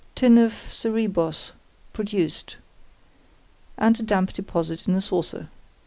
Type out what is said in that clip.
Tin of Cerebos, produced, and a damp deposit in a saucer.